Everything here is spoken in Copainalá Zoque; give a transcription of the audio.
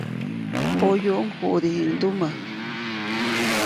Poyuʼuŋ juʼdijiʼŋndumä.